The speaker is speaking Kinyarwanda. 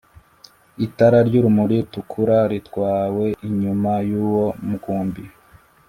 itara ry'urumuri rutukura ritwawe inyuma y'uwo mukumbi